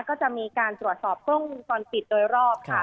ก็จะมีการตรวจสอบกล้องวงจรปิดโดยรอบค่ะ